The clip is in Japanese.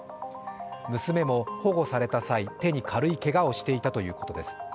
娘の保護された際、手に軽いけがをしていたということです。